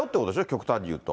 極端に言うと。